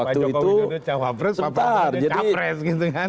pak jokowi itu wapres pak prabowo itu capres gitu kan